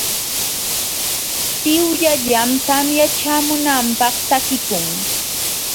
Tiwllallam tamya ćhaamunanpaq takikun.